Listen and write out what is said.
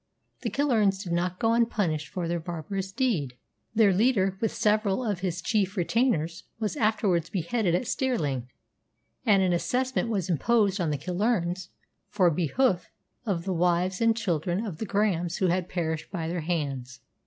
The Killearns did not go unpunished for their barbarous deed. Their leader, with several of his chief retainers, was afterwards beheaded at Stirling, and an assessment was imposed on the Killearns for behoof of the wives and children of the Grahams who had perished by their hands.